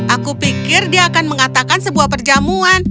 aku pikir dia akan mengatakan sebuah perjamuan